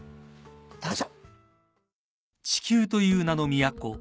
どうぞ。